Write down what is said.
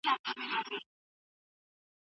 که موږ خپله ژبه وساتو، نو خپلواکي به لکه څنګه ده.